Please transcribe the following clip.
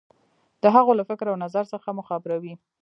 د هغو له فکر او نظر څخه مو خبروي.